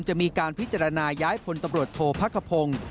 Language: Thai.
จะมีการพิจารณาย้ายพลตำรวจโทษพักขพงศ์